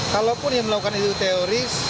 kalaupun yang melakukan itu teoris